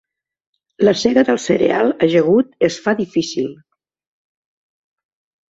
La sega del cereal ajagut es fa difícil.